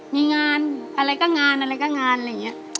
มีงานอะไรก็งานอะไรก็งานอะไรอย่างนี้